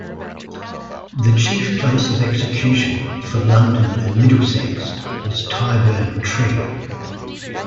The chief place of execution for London and Middlesex was Tyburn Tree.